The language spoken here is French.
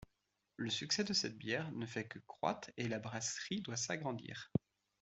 Le succès de cette bière ne fait que croître et la brasserie doit s'agrandir.